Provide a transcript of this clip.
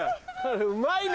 うまいな！